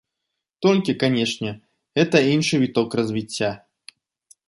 Толькі, канечне, гэта іншы віток развіцця.